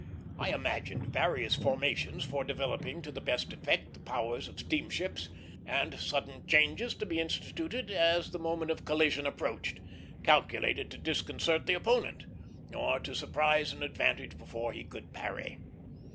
I imagined various formations for developing to the best effect the powers of steamships, and sudden changes to be instituted as the moment of collision approached, calculated to disconcert the opponent, or to surprise an advantage before he could parry.